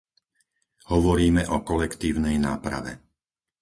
Hovoríme o kolektívnej náprave.